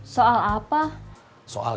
soal apa deh